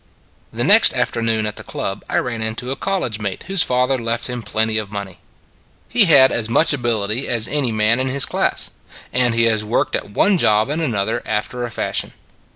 The next afternoon at the club I ran into a college mate whose father left him plenty of money. He had as much ability as any man in his class; and he has worked at one job and another after a fashion.